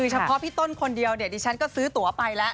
เฉพาะพี่ต้นคนเดียวเนี่ยดิฉันก็ซื้อตัวไปแล้ว